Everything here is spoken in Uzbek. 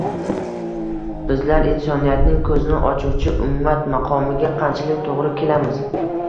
bizlar “insoniyatning ko‘zini ochuvchi ummat” maqomiga qanchalik to‘g‘ri kelamiz